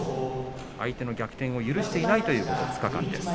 相手の逆転を許していないという２日間です。